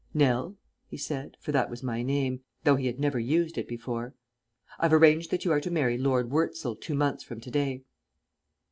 "Nell," he said, for that was my name, though he had never used it before, "I've arranged that you are to marry Lord Wurzel two months from to day."